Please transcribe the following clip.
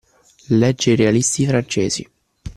Legge i realisti francesi.